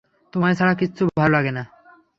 তোমায় ছাড়া কিচ্ছু ভালো লাগে না।